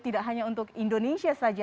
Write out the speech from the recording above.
tidak hanya untuk indonesia saja